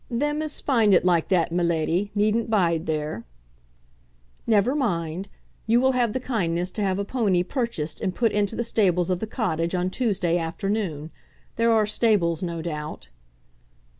"Them as find it like that, my leddie, needn't bide there." "Never mind. You will have the kindness to have a pony purchased and put into the stables of the Cottage on Tuesday afternoon. There are stables, no doubt."